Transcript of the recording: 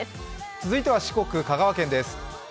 続いては四国・香川県です。